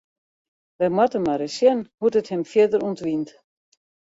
Wy moatte mar ris sjen hoe't it him fierder ûntwynt.